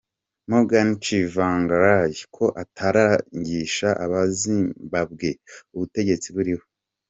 Morgan Chivangalai ko atarangisha abazimbabwe ubutegetsi buriho?